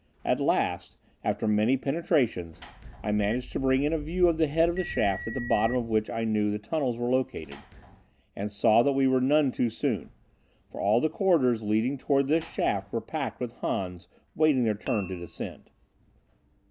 At last, after many penetrations, I managed to bring in a view of the head of the shaft at the bottom of which I knew the tunnels were located, and saw that we were none too soon, for all the corridors leading toward this shaft were packed with Hans waiting their turn to descend.